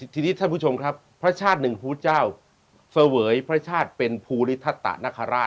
ทีนี้ท่านผู้ชมครับพระชาติหนึ่งพุทธเจ้าเสวยพระชาติเป็นภูริทัตตะนคราช